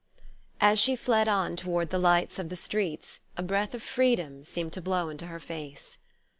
AS she fled on toward the lights of the streets a breath of freedom seemed to blow into her face.